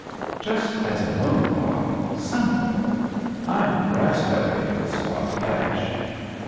"Just as a loan. Doc — some of it. Fm grass bellied with spot<ash."